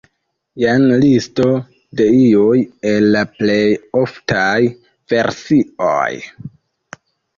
Jen listo de iuj el la plej oftaj versioj.